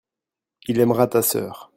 il aimera ta sœur.